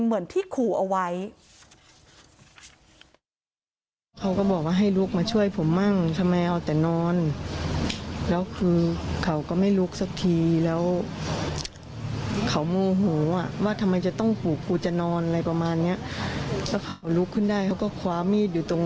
เหมือนที่ขู่เอาไว้